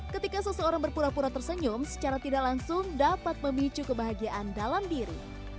ketika seseorang berpura pura tersenyum secara tidak langsung dapat memicu kebahagiaan dalam diri